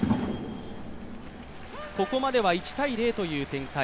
ここまでは１−０という展開。